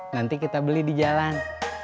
nanti kita beli di jalan